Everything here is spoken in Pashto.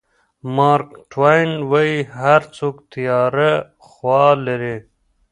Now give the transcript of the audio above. مارک ټواین وایي هر څوک تیاره خوا لري.